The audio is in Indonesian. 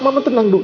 mama tenang dok